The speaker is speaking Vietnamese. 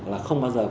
là không bao giờ